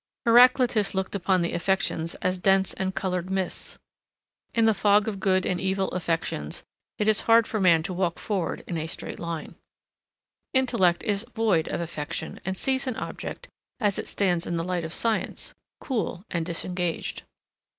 Heraclitus looked upon the affections as dense and colored mists. In the fog of good and evil affections it is hard for man to walk forward in a straight line. Intellect is void of affection and sees an object as it stands in the light of science, cool and disengaged.